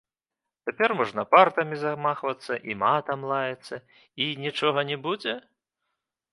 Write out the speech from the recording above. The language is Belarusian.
Цяпер можна партамі замахвацца і матам лаяцца, і нічога не будзе?